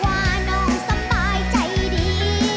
ว่าน้องสปายใจดี